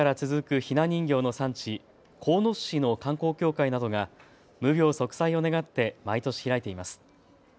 ひな人形の産地、鴻巣市の観光協会などが無病息災を願って毎年開いています。